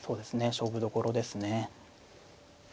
勝負どころですね。